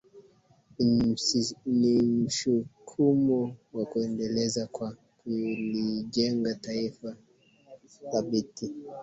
ni mshukumo wa kuendeleza kwa kulijenga taifa thabiti